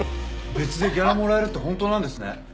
別でギャラもらえるって本当なんですね。